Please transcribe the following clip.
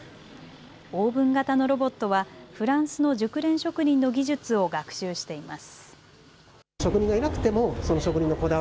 オーブン型のロボットはフランスの熟練職人の技術を学習しています。